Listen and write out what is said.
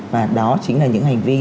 và đó chính là những hành vi đang